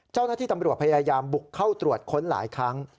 เจ้าหน้าที่ตำรวจพยายามบุกเข้าตรวจค้นหลายครั้ง